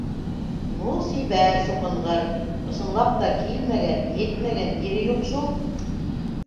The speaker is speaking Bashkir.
Ну сибәр, суҡынғыр, ысынлап та килмәгән-ет- мәгән ере тоҡ шул